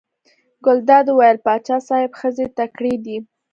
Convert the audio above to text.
ګلداد وویل: پاچا صاحب ښځې تکړې دي.